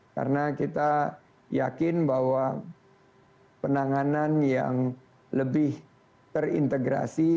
karena kita yakin bahwa penanganan yang lebih terintegrasi